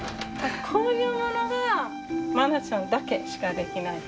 こういうものは真奈ちゃんだけしかできない。